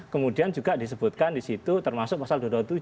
kemudian juga disebutkan di situ termasuk pasal dua ratus dua puluh tujuh